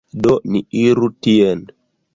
Do, ni iru tien